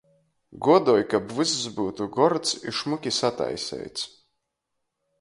Guodoj, kab vyss byutu gords i šmuki sataiseits.